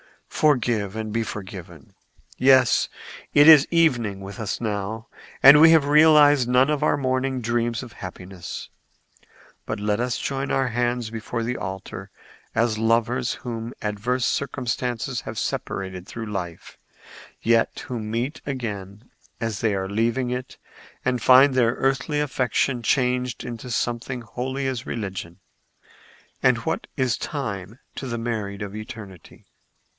Forgive and be forgiven. Yes; it is evening with us now, and we have realized none of our morning dreams of happiness. But let us join our hands before the altar as lovers whom adverse circumstances have separated through life, yet who meet again as they are leaving it and find their earthly affection changed into something holy as religion. And what is time to the married of eternity?"